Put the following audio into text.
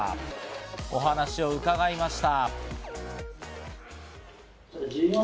お話を伺いました。